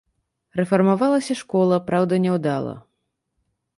Рэфармавалася школа, праўда няўдала.